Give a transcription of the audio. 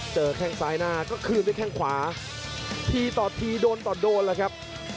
แข้งซ้ายหน้าก็คืนด้วยแข้งขวาทีต่อทีโดนต่อโดนแล้วครับ